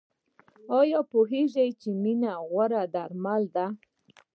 ایا پوهیږئ چې مینه غوره درمل ده؟